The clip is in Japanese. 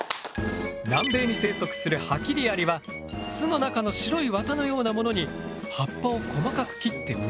南米に生息するハキリアリは巣の中の白い綿のようなものに葉っぱを細かく切って植えていく。